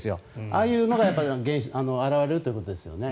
ああいうのが現れるということですね。